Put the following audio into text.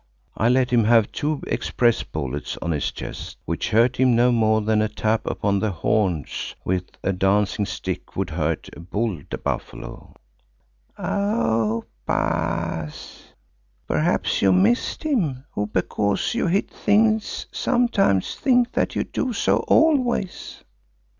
I let him have two Express bullets on his chest, which hurt him no more than a tap upon the horns with a dancing stick would hurt a bull buffalo." "Oh! Baas, perhaps you missed him, who because you hit things sometimes, think that you do so always."